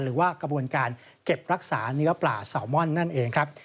หรือว่ากระบวนการเก็บรักษาเนื้อปลาแซลมอนนั่นเองครับ